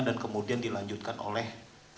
dan kemudian dilanjutkan oleh